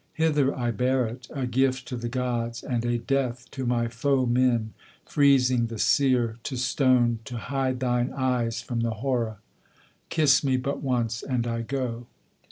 Hither I bear it, a gift to the gods, and a death to my foe men, Freezing the seer to stone; to hide thine eyes from the horror. Kiss me but once, and I go.'